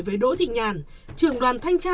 với đỗ thị nhàn trường đoàn thanh tra